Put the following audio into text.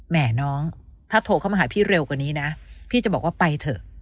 แม่น้องถ้าโทรเข้ามาหาพี่เร็วกว่านี้นะพี่จะบอกว่าไปเถอะ